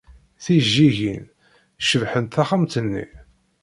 Tijejjigin cebbḥent taxxamt-nni.